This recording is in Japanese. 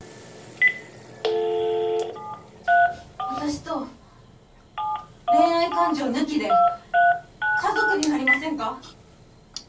私と恋愛感情抜きで家族になりませんか？